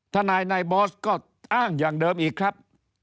ทนายนายบอสก็อ้างอย่างเดิมอีกครับ